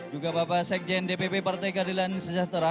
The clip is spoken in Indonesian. juga bapak sekjen dpp partai keadilan sejahtera